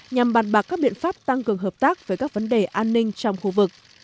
nhằm bàn bạc các biện pháp tăng cường hợp tác về các vấn đề an ninh trong khu vực